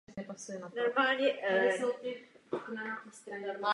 Otázkou je, zda bude možné tyto peníze absorbovat.